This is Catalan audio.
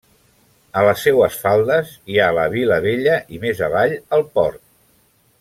A les seues faldes hi ha la vila vella i més avall, el port.